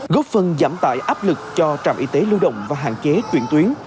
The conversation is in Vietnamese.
góp phần giảm tải áp lực cho trạm y tế lưu động và hạn chế chuyển tuyến